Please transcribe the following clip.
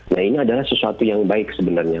nah ini adalah sesuatu yang baik sebenarnya